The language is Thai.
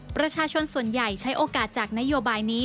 ประชาชนส่วนใหญ่ใช้โอกาสจากนโยบายนี้